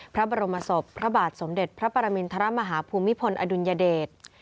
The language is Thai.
พระบรมศพพระบาทสมเด็จพระปรมินทรมาฮภูมิพลอดุลยเดช